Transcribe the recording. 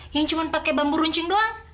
yang cuma pakai bambu runcing doang